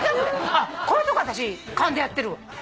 あっこういうとこ私勘でやってるわ。